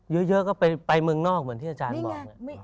เยอะก็ไปเมืองนอกเหมือนที่อาจารย์บอก